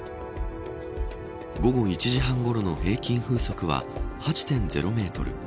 午後１時半ごろの平均風速は８．０メートル。